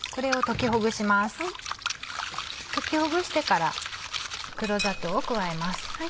溶きほぐしてから黒砂糖を加えます。